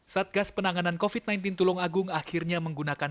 satgas penanganan covid sembilan belas tulung agung akhirnya menggunakan